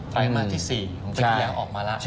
ไตมาสที่๔ของเมื่อกี๊ออกมาแล้ว